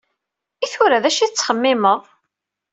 I tura, d acu i tettxemmimeḍ?